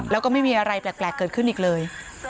แล้วก็ไม่มีอะไรแปลกเกิดขึ้นอีกเลย